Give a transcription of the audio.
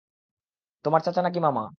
তোমার চাচা নাকি মামা?